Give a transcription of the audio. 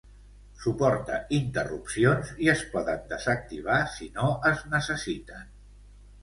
Suporta interrupcions i es poden desactivar si no es necessiten.